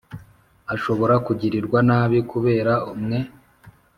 ashobora kugirirwa nabi kubera mwe